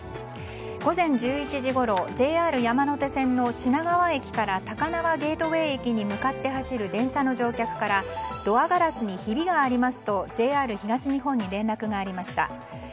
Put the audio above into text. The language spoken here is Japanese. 午前１１時ごろＪＲ山手線の品川駅から高輪ゲートウェイ駅に向かって走る電車の乗客からドアガラスにひびがありますとＪＲ東日本に連絡がありました。